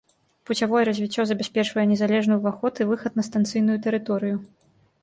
Пуцявое развіццё забяспечвае незалежны ўваход і выхад на станцыйную тэрыторыю.